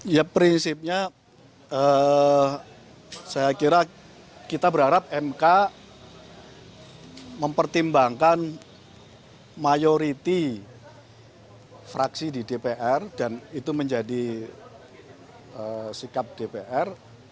ya prinsipnya saya kira kita berharap mk mempertimbangkan mayority fraksi di dpr dan itu menjadi sikap dpr